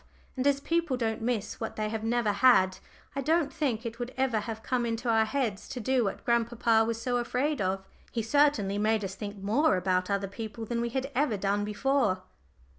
And as people don't miss what they have never had, I don't think it would ever have come into our heads to do what grandpapa was so afraid of. He certainly made us think more about other people than we had ever done before.